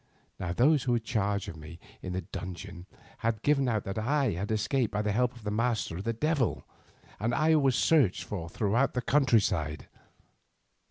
Now those who had charge of me in the dungeon had given out that I had escaped by the help of my master the Devil, and I was searched for throughout the country side.